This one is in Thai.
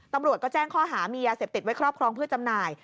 ตำรวจก็แจ้งข้อหามียาเสพติดไว้ครอบครองเพื่อจำหน่าย